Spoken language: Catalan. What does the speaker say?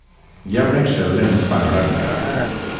Hi ha una excel·lent panoràmica.